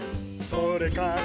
「それから」